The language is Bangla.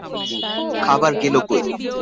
খাবার গেল কই?